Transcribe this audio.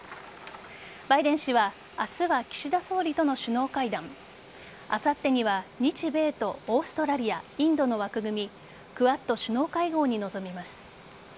バイデン氏は明日は岸田総理との首脳会談あさってには日米とオーストラリアインドの枠組みクアッド首脳会合に臨みます。